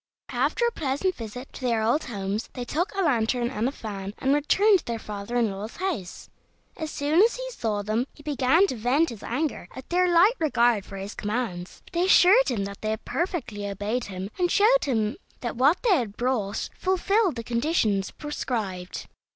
After a pleasant visit to their old homes, they took a lantern and a fan, and returned to their father in law's house. As soon as he saw them he began to vent his anger at their light regard for his commands, but they assured him that they had perfectly obeyed him, and showed him that what they had brought fulfilled the conditions prescribed.